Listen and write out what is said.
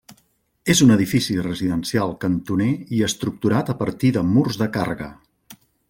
És un edifici residencial cantoner i estructurat a partir de murs de càrrega.